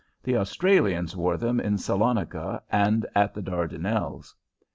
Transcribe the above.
The Australians wore them in Salonica and at the Dardanelles.